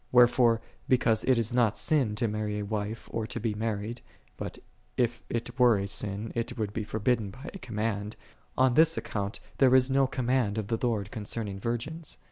Wherefore, because it is not sin to marry a wife or to be married, {but if it were a sin, it would be forbidden by a ''Command,") on this account there is no " Command " of the Lord concerning virgins.